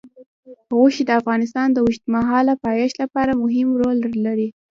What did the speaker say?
غوښې د افغانستان د اوږدمهاله پایښت لپاره مهم رول لري.